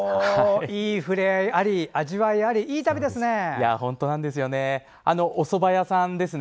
いい触れ合いあり味わいあり、いい旅ですね。